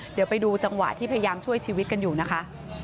เดี๋ยวไปดูจังหวะที่พยายามช่วยชีวิตกันอยู่นะคะ